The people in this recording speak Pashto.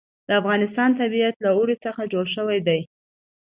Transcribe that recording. د افغانستان طبیعت له اوړي څخه جوړ شوی دی.